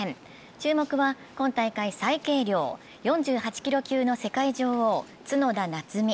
注目は今大会最軽量、４８キロ級の世界女王・角田夏実。